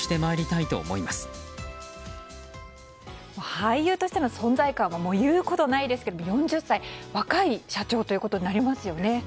俳優としての存在感も言うことないですけど４０歳と、若い社長ということになりますよね。